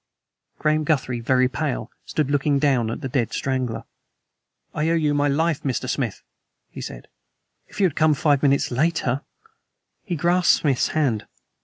Graham Guthrie, very pale, stood looking down at the dead strangler. "I owe you my life, Mr. Smith," he said. "If you had come five minutes later " He grasped Smith's hand.